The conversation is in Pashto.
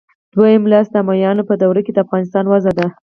دویم لوست د امویانو په دوره کې د افغانستان وضع ده.